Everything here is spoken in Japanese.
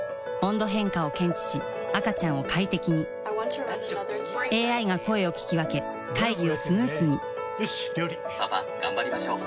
温度変化を検知し赤ちゃんを快適にＡＩが声を聞き分け会議をスムースによし！